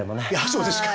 そうですか？